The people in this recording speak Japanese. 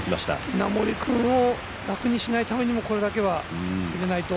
稲森くんを楽にしないためにはこれだけは入れないと。